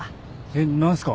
えっ何すか？